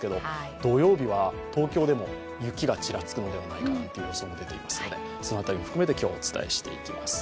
土曜日は東京でも雪がちらつくのではないかという予想も出ているのでその辺りも含めて今日はお伝えしていきます。